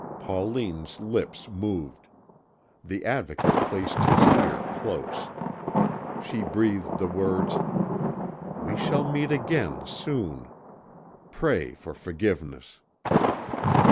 Pauline's lips moved; the Advocate placed his ear close. She breathed the words: "We shall meet again soon! Pray for forgiveness!"